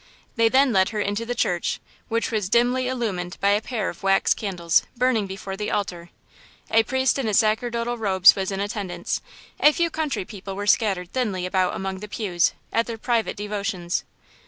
They then led her into the church, which was dimly illumined by a pair of wax candles burning before the altar. A priest in his sacerdotal robes was in attendance. A few country people were scattered thinly about among the pews, at their private devotions.